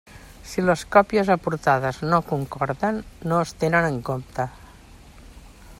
Si les còpies aportades no concorden, no es tenen en compte.